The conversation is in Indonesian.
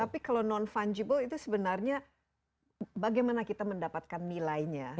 tapi kalau non fungible itu sebenarnya bagaimana kita mendapatkan nilainya